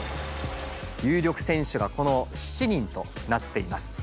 有力選手がこの７人となっています。